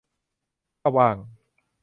ถ้าว่าง